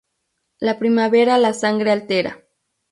La primavera la sangre altera